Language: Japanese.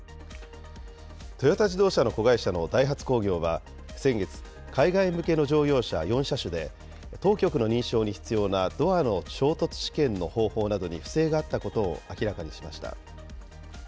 トヨタ自動車の子会社のダイハツ工業は、先月、海外向けの乗用車４車種で、当局の認証に必要なドアの衝突試験の方法などに不正があったことを明らかにしました。